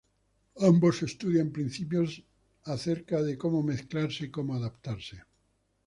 Ambos estudian principios acerca de cómo mezclarse y como adaptarse.